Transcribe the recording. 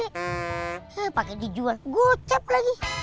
eh pake dijual gue cep lagi